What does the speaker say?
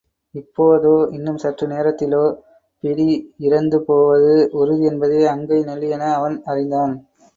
இப்போதோ, இன்னும் சற்று நேரத்திலோ பிடி இறந்து போவது உறுதி என்பதையும் அங்கை நெல்லியென அவன் அறிந்தான்.